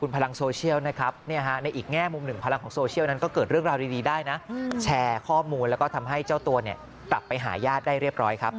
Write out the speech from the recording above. ไปหายาดได้เรียบร้อยครับ